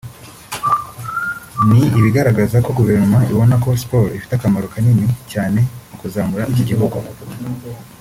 ni ibigaragaza ko Guverinoma ibona ko siporo ifite akamaro kanini cyane mu kuzamura iki gihugu”